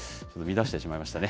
乱してしまいましたね。